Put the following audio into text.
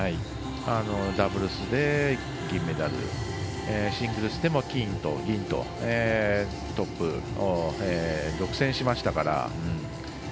ダブルスで、銀メダルシングルスでも金と銀とトップを独占しましたから。